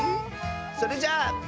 それじゃあ。